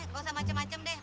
gak usah macem macem deh